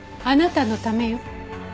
あなたのためよ。